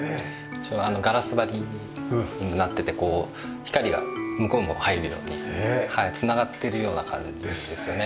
一応ガラス張りになっててこう光が向こうも入るように繋がっているような感じですよね